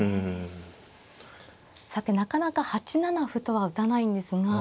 さてなかなか８七歩とは打たないんですが。